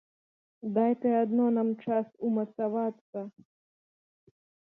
Дай ты адно нам час умацавацца.